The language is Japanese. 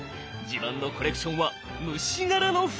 自慢のコレクションは虫柄の服！